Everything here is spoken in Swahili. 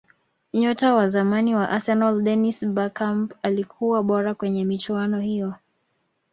nyota wa zamani wa arsenal dennis bergkamp alikuwa bora kwenye michuano hiyo